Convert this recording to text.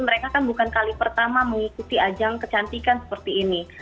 mereka kan bukan kali pertama mengikuti ajang kecantikan seperti ini